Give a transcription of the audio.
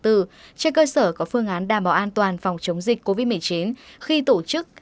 trên cơ sở có phương án đảm bảo an toàn phòng chống dịch covid một mươi chín khi tổ chức